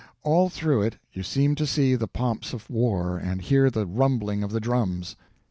All through it you seem to see the pomps of war and hear the rumbling of the drums.